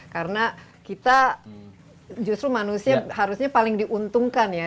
karena kita justru manusia harusnya paling diuntungkan ya